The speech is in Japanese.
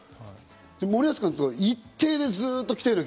森保監督は一定でずっと来てる。